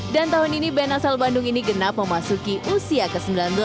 dan tahun ini band asal bandung ini genap memasuki usia ke sembilan belas